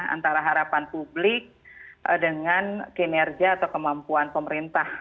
antara harapan publik dengan kinerja atau kemampuan pemerintah